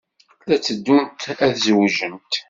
La tteddunt ad zewǧent.